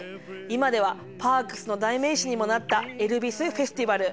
今ではパークスの代名詞にもなったエルビス・フェスティバル。